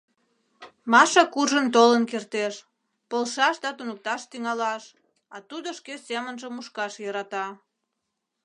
Маша куржын толын кертеш, полшаш да туныкташ тӱҥалаш, а тудо шке семынже мушкаш йӧрата.